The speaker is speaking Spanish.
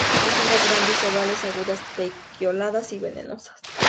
Sus hojas son grandes, ovales, agudas, pecioladas y venosas.